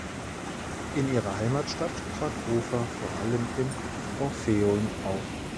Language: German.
In ihrer Heimatstadt trat Hofer vor allem im Orpheum auf.